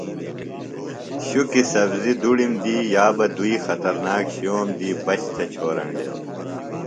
شُکیۡ سبزیۡ دُڑم دی یا بہ دُوئی خطرناک شِئوم دی بچ تھےۡ چھورینڈیوۡ۔